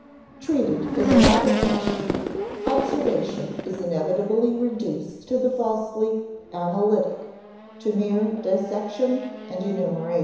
Treated in the latter fashion, observation is inevitably reduced to the falsely "analytic" (ante, p. 112), to mere dissection and enumeration.